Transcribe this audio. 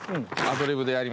アドリブ！